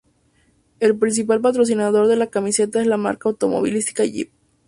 El principal patrocinador de la camiseta es la marca automovilística Jeep.